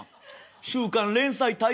「週刊連載大変だ」。